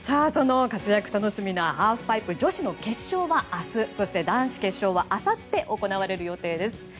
活躍楽しみなハーフパイプ女子の決勝は明日そして男子決勝はあさって行われる予定です。